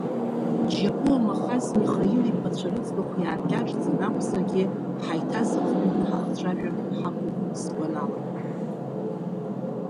Џьапуа Махаз Михаил иԥацәа рыӡбахә иааркьаҿӡаны акәзаргьы ҳаиҭазыхынҳәны ҳахцәажәар ҳақуп сгәанала…